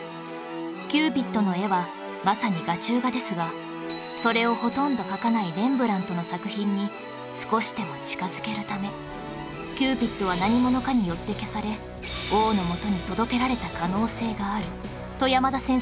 キューピッドの絵はまさに画中画ですがそれをほとんど描かないレンブラントの作品に少しでも近づけるためキューピッドは何者かによって消され王のもとに届けられた可能性があると山田先生は言います